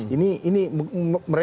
ini ini mereka itu bukan orang cerdas